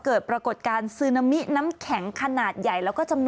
เกิดปรากฏการณ์ซึนามิน้ำแข็งขนาดใหญ่